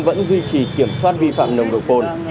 vẫn duy trì kiểm soát vi phạm nồng độ cồn